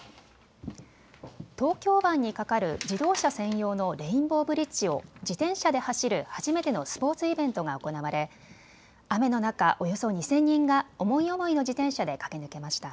東京湾に架かる自動車専用のレインボーブリッジを自転車で走る初めてのスポーツイベントが行われ雨の中、およそ２０００人が思い思いの自転車で駆け抜けました。